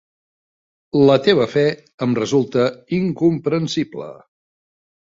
La teva fe em resulta incomprensible.